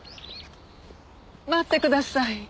待ってください。